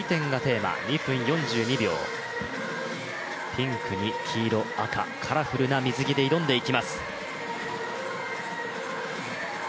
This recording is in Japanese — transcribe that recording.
ピンクに黄色、赤、カラフルな水着で挑んでいきます。